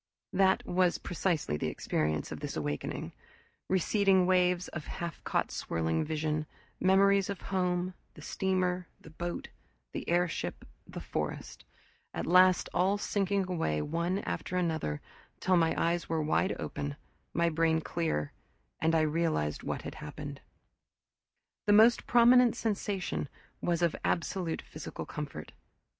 That was precisely the experience of this awakening: receding waves of half caught swirling vision, memories of home, the steamer, the boat, the airship, the forest at last all sinking away one after another, till my eyes were wide open, my brain clear, and I realized what had happened. The most prominent sensation was of absolute physical comfort.